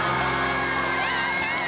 やったー！